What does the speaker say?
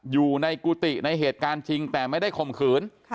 อยู่ในกุฏิในเหตุการณ์จริงแต่ไม่ได้ข่มขืน